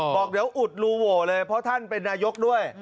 บอกเดี๋ยวอุดรูโหวเลยเพราะท่านเป็นนายกด้วย